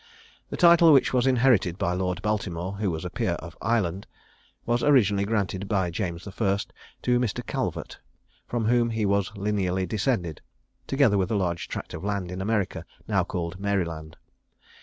The title which was inherited by Lord Baltimore, who was a peer of Ireland, was originally granted by James I. to Mr. Calvert, from whom he was lineally descended, together with a large tract of land in America, now called Maryland.